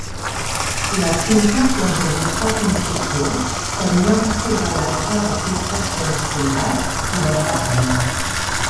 La simple però robusta construcció tenia un fuselatge de tub d'acer soldat cobert de tela.